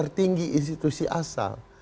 yang tinggi institusi asal